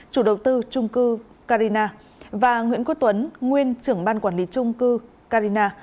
chủ đầu tư trung cư carina và nguyễn quốc tuấn nguyên trưởng ban quản lý trung cư carina